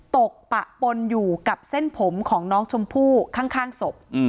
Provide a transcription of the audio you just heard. ปะปนอยู่กับเส้นผมของน้องชมพู่ข้างศพ